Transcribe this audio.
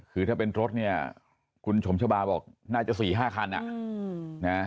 คือถ้าเป็นรถเนี่ยคุณสมชบาบอกน่าจะ๔๕คัน